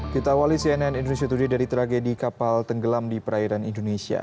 kita awali cnn indonesia today dari tragedi kapal tenggelam di perairan indonesia